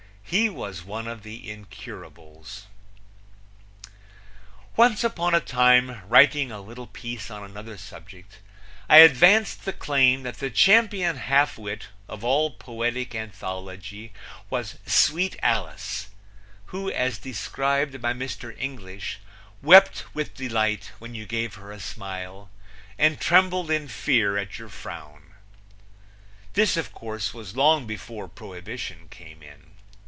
He was one of the incurables. Once upon a time, writing a little piece on another subject, I advanced the claim that the champion half wit of all poetic anthology was Sweet Alice, who, as described by Mr. English, wept with delight when you gave her a smile, and trembled in fear at your frown. This of course was long before Prohibition came in.